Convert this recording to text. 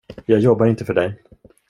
Jag jobbar inte för dig.